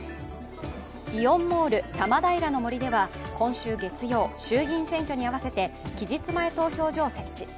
イオンモール多摩平の森では今週月曜、衆議院選挙に合わせて期日前投票所を設置。